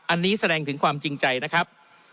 อันนี้แสดงถึงความจริงใจนะครับ